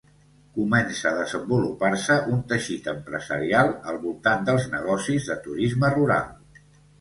Comença a desenvolupar-se un teixit empresarial al voltant dels negocis de turisme rural.